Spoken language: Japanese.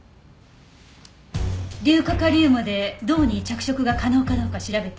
硫化カリウムで銅に着色が可能かどうか調べて。